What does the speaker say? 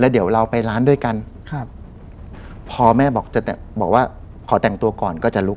เดี๋ยวเราไปร้านด้วยกันครับพอแม่บอกจะบอกว่าขอแต่งตัวก่อนก็จะลุก